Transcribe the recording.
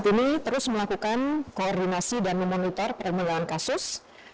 kami juga terus melakukan koordinasi dan memonitor perkembangan kasus